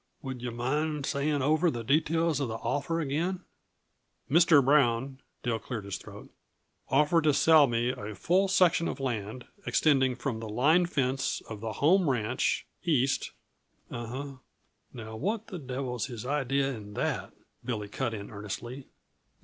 Would yuh mind saying over the details uh the offer again?" "Mr. Brown" Dill cleared his throat "offered to sell me a full section of land, extending from the line fence of the home ranch, east " "Uh huh now what the devil's his idea in that?" Billy cut in earnestly.